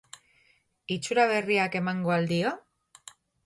Itxura berriak emango al dio?